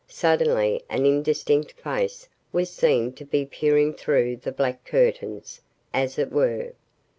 Suddenly an indistinct face was seen to be peering through the black curtains, as it were.